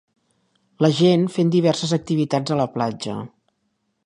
La gent fent diverses activitats a la platja.